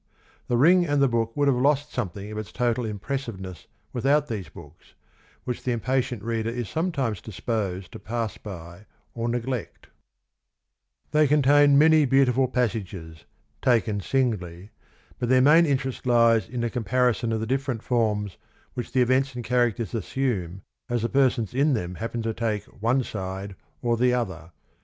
The Ring and the Book would have lost something of its total impressiveness without these books, which the impatient reader is sometimes disposed to pass by or neglect. 28 THE RING AND THE BOOK They contain many beautiful passages, taken singly, but their main interest lies in the com parison of the different forms which the events and characters assume as the persons in them happen to take one side or the other.